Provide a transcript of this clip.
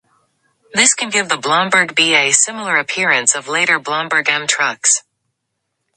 This can give the Blomberg B a similar appearance of later Blomberg M trucks.